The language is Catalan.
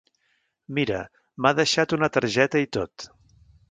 Mira, m'ha deixat una targeta i tot.